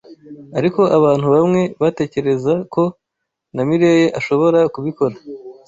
Ariko, abantu bamwe batekereza ko na Mirelle ashobora kubikora.